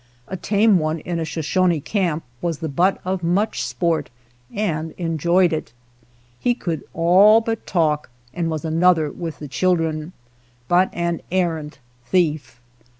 A tame one in a Shoshone camp was the butt of much sport and enjoyed it. He could all but talk and was another with the children, 53 /*=y^ THE SCAVENGERS but an arrant thief.